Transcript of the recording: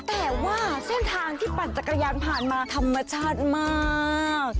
แต่ว่าเส้นทางที่ปั่นจักรยานผ่านมาธรรมชาติมาก